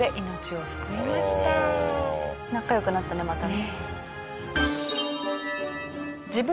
仲良くなったねまたね。